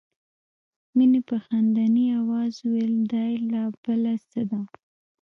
مينې په خندني آواز وویل دا یې لا بله څه ده